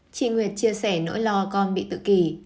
chị nguyệt chia sẻ nỗi lo con bị tự kỳ